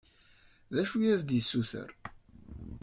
D acu i as-d-yessuter?